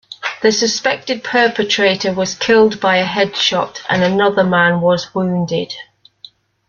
The suspected perpetrator was killed by a headshot and another man was wounded.